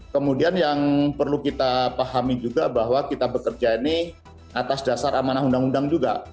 kemudian yang perlu kita pahami juga bahwa kita bekerja ini atas dasar amanah undang undang juga